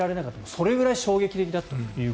それぐらい衝撃的だったと。